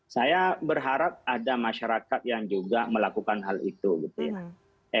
saya berharap ada masyarakat yang juga melakukan hal itu gitu ya